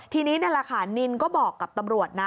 ทีนี้นั่นแหละค่ะนินก็บอกกับตำรวจนะ